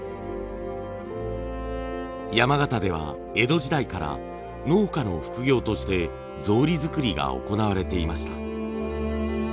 山形では江戸時代から農家の副業として草履作りが行われていました。